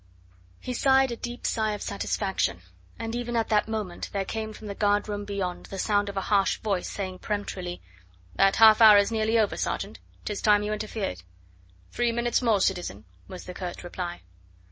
He sighed a deep sigh of satisfaction, and even at that moment there came from the guard room beyond the sound of a harsh voice, saying peremptorily: "That half hour is nearly over, sergeant; 'tis time you interfered." "Three minutes more, citizen," was the curt reply.